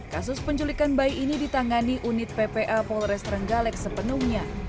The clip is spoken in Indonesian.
kasus penculikan bayi ini ditangani unit ppa polres renggalek sepenuhnya